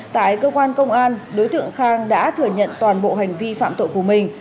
tại cơ quan công an đối tượng khang đã thừa nhận toàn bộ hành vi phạm tội của mình